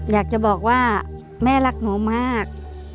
อยากจะบอกว่าแม่รักหนูมาก